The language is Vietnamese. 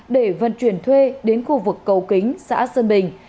để vận chuyển thuê đến khu vực cầu kính xã sơn bình